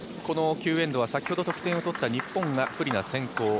この９エンドは先ほど得点を取った日本が不利な先攻。